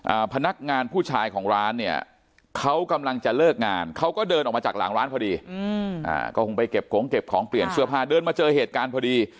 พนักงานผู้ชายของร้านเนี่ยเขากำลังจะเลิกงานเขาก็เดินออกมาจากหลังร้านพอดีอืมอ่าก็คงไปเก็บของเก็บของเปลี่ยนเสื้อผ้าเดินมาเจอเหตุการณ์พอดี